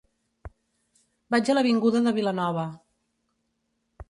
Vaig a l'avinguda de Vilanova.